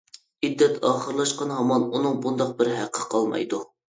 ئىددەت ئاخىرلاشقان ھامان ئۇنىڭ بۇنداق بىر ھەققى قالمايدۇ.